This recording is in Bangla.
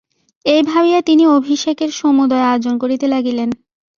এই ভাবিয়া তিনি অভিষেকের সমুদয় আয়োজন করিতে লাগিলেন।